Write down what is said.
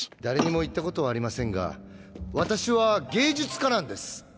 「誰にも言ったことはありませんが私は芸術家なんです」